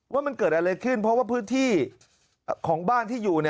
ว่ามันเกิดอะไรขึ้นเพราะว่าพื้นที่ของบ้านที่อยู่